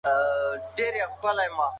دا تجربه به هېر نه کړم.